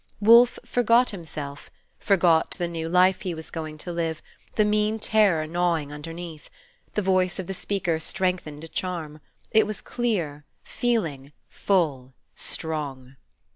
Wolfe forgot himself, forgot the new life he was going to live, the mean terror gnawing underneath. The voice of the speaker strengthened the charm; it was clear, feeling, full, strong.